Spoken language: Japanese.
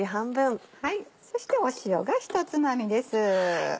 そして塩が一つまみです。